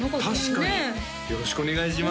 確かによろしくお願いします